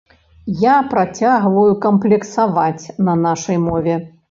Я працягваю камплексаваць на нашай мове.